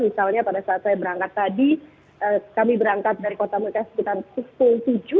misalnya pada saat saya berangkat tadi kami berangkat dari kota mekah sekitar pukul tujuh